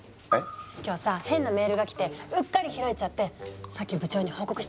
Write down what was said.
今日さ変なメールが来てうっかり開いちゃってさっき部長に報告したばっかりだもん。